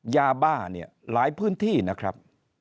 ยาบ้าเนี่ยหลายพื้นที่นะครับ